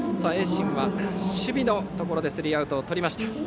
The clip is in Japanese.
盈進は守備のところでスリーアウトをとりました。